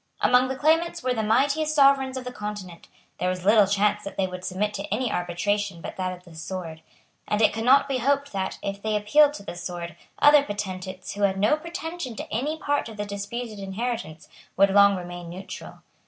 Among the claimants were the mightiest sovereigns of the continent; there was little chance that they would submit to any arbitration but that of the sword; and it could not be hoped that, if they appealed to the sword, other potentates who had no pretension to any part of the disputed inheritance would long remain neutral.